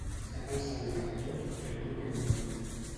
Sap el savi per tot i el ruc enlloc.